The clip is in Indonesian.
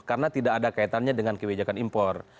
karena tidak ada kaitannya dengan kebijakan impor